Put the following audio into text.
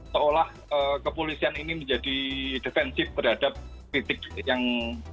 seolah kepolisian ini menjadi defensif terhadap kritik yang